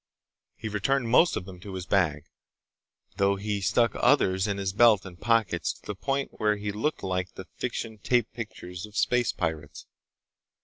He returned most of them to his bag, though he stuck others in his belt and pockets to the point where he looked like the fiction tape pictures of space pirates.